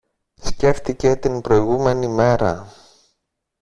Σκέφτηκε την προηγούμενη μέρα